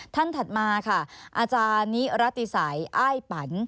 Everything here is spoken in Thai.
ท่านถัดมาค่ะอาจารย์นิรติสัยอ้ายปรรณ